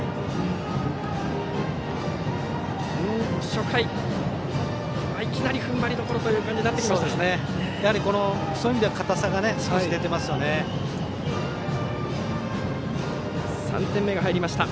初回、いきなり踏ん張りどころという感じになってきました。